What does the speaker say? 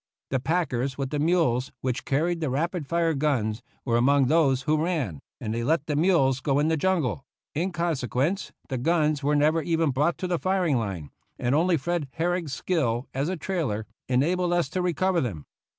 The packers with the mules which carried the rapid fire guns were among those who ran, and they let the mules go in the jungle ; in consequence the guns were never even brought to the firing line, and only Fred Herrig's skill as a trailer en abled us to recover them.